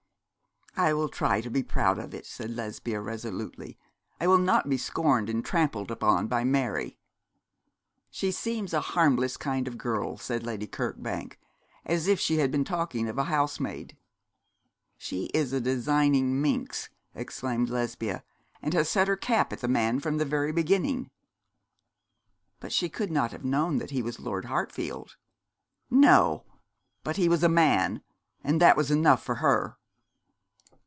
'I will try to be proud of it,' said Lesbia, resolutely. 'I will not be scorned and trampled upon by Mary.' 'She seemed a harmless kind of girl,' said Lady Kirkbank, as if she had been talking of a housemaid. 'She is a designing minx,' exclaimed Lesbia, 'and has set her cap at that man from the very beginning.' 'But she could not have known that he was Lord Hartfield.' 'No; but he was a man; and that was enough for her.'